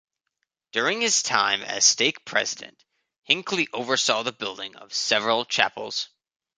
During his time as stake president Hinckley oversaw the building of several chapels.